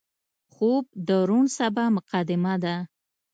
خوب د روڼ سبا مقدمه ده